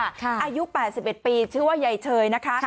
อายุ๘๑ปีชื่อว่ายายเชยนะคะ